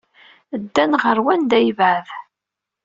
Ddan ɣer wanda ay yebɛed.